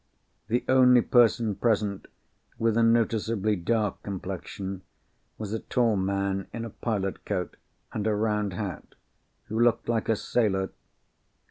The only person present with a noticeably dark complexion was a tall man in a pilot coat, and a round hat, who looked like a sailor.